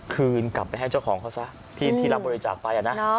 คืนกลับไปให้เจ้าของเขาซะที่รับบริจาคไปนะ